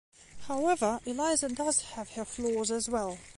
However, Elisa does have her flaws as well.